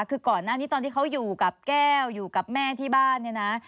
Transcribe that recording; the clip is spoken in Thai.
คือก่อนหน้านี้ตอนที่เขาอยู่กับแก้วอยู่กับแม่ที่บ้านเนี่ยนะ